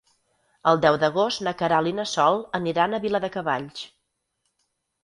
El deu d'agost na Queralt i na Sol aniran a Viladecavalls.